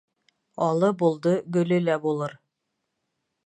Алы булды, гөлө лә булыр.